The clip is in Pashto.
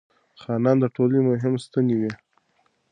خانان د ټولنې مهم ستنې وې.